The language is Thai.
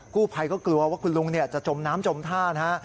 กู้ภัยก็กลัวว่าคุณลุงจะจมน้ำจมท่านะฮะ